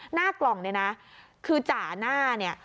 หน้ากล่องเนี่ยนะคือจ่าหน้าเนี่ย